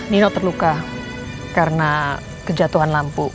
nino terluka karena kejatuhan lampu